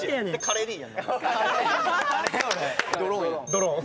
ドローン。